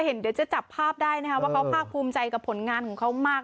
เดี๋ยวจะจับภาพได้นะครับว่าเขาภาคภูมิใจกับผลงานของเขามาก